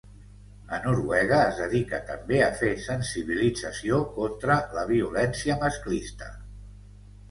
A Noruega es dedica també a fer sensibilització contra la violència masclista.